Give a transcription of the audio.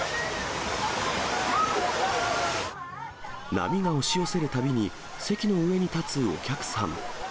波が押し寄せるたびに、席の上に立つお客さん。